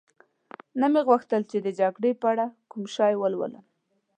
نه مې غوښتل چي د جګړې په اړه کوم شی ولولم.